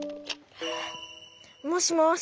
もしもし。